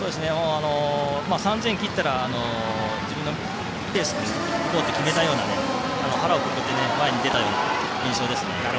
３０００を切ったら自分のペースでいこうと決めたような腹をくくって前に出たような印象ですね。